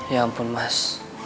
ya ampun mas